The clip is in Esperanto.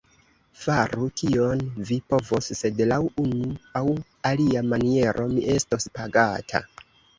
Faru, kion vi povos; sed, laŭ unu aŭ alia maniero, mi estos pagata.